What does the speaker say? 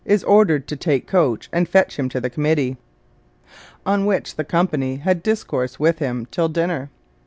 is ordered to take coach and fetch him to the Committee'; 'on wh. the Committee had discourse with him till dinner.'